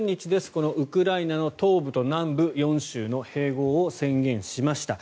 このウクライナの東部と南部４州の併合を宣言しました。